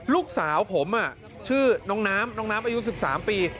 ลูกสาวผมชื่อน้องน้ำน้องน้ำอายุ๑๓ปี